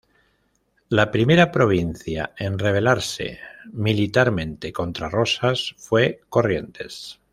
La primera provincia en rebelarse militarmente contra Rosas fue Corrientes.